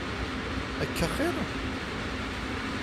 Akka axir?